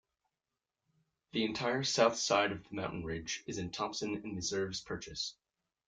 The entire south side of the mountain ridge is in Thompson and Meserve's Purchase.